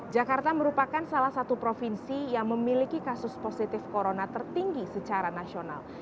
jakarta merupakan salah satu provinsi yang memiliki kasus positif corona tertinggi secara nasional